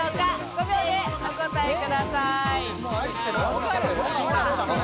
５秒でお答えください。